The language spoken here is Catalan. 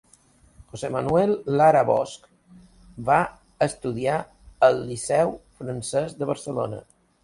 José Manuel Lara Bosch va estudiar al Liceu francès de Barcelona.